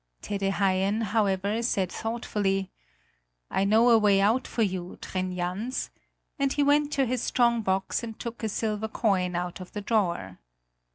Tede Haien, however, said thoughtfully: "I know a way out for you, Trin Jans," and he went to his strong box and took a silver coin out of the drawer.